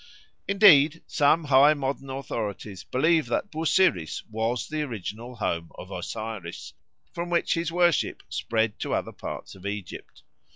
Indeed some high modern authorities believe that Busiris was the original home of Osiris, from which his worship spread to other parts of Egypt.